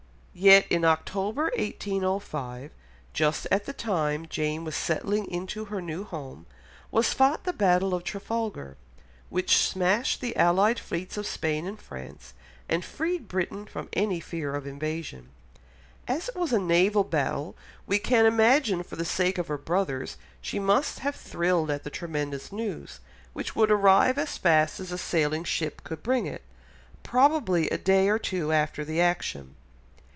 Yet in October 1805, just at the time Jane was settling into her new home, was fought the Battle of Trafalgar, which smashed the allied fleets of Spain and France, and freed Britain from any fear of invasion. As it was a naval battle, we can imagine for the sake of her brothers she must have thrilled at the tremendous news, which would arrive as fast as a sailing ship could bring it—probably a day or two after the action.